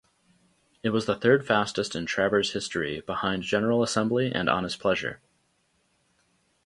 It was the third fastest in Travers history, behind General Assembly and Honest Pleasure.